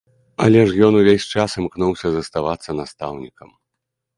Але ж ён увесь час імкнуўся заставацца настаўнікам.